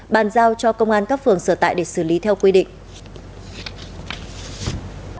bàn giao cho công an các phường sở tại để xử lý theo quy định